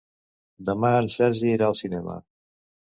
Demà en Sergi irà al cinema.